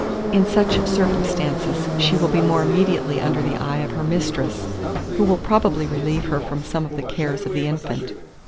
In such circumstances she will be more immediately under the eye of her mistress, who will probably relieve her from some of the cares of the infant.